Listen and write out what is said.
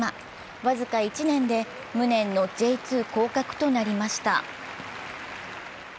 僅か１年で無念のＪ２降格となりました。